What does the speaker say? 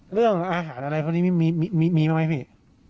เรื่องอาหารอะไรเพราะนี้มีไหมพี่